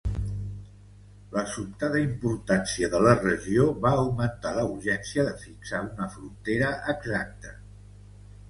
La sobtada importància de la regió va augmentar la urgència de fixar una frontera exacta.